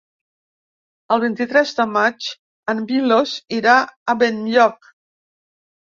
El vint-i-tres de maig en Milos irà a Benlloc.